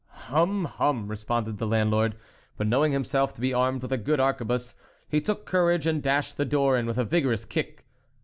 "Hum, hum!" responded the landlord, but knowing himself to be armed with a good arquebuse, he took courage and dashed the door in with a vigorous kick.